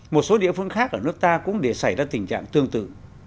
một số địa phương khác ở nước ta cũng để xảy ra tình trạng tương tự